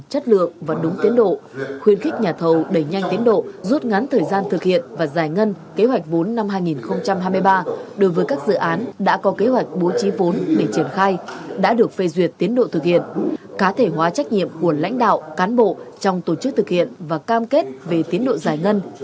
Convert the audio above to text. chất lượng và đúng tiến độ khuyến khích nhà thầu đẩy nhanh tiến độ rút ngắn thời gian thực hiện và giải ngân kế hoạch vốn năm hai nghìn hai mươi ba đối với các dự án đã có kế hoạch bố trí vốn để triển khai đã được phê duyệt tiến độ thực hiện cá thể hóa trách nhiệm của lãnh đạo cán bộ trong tổ chức thực hiện và cam kết về tiến độ giải ngân